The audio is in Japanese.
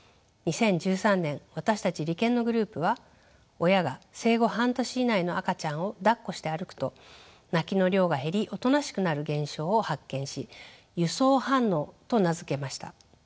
２０１３年私たち理研のグループは親が生後半年以内の赤ちゃんをだっこして歩くと泣きの量が減りおとなしくなる現象を発見し輸送反応と名付けました。